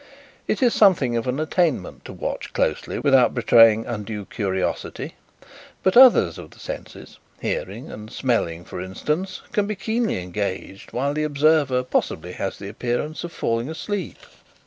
It is something of an attainment to watch closely without betraying undue curiosity, but others of the senses hearing and smelling, for instance can be keenly engaged while the observer possibly has the appearance of falling asleep.